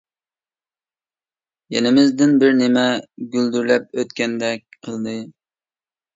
يېنىمىزدىن بىر نېمە گۈلدۈرلەپ ئۆتكەندەك قىلدى.